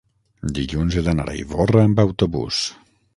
dilluns he d'anar a Ivorra amb autobús.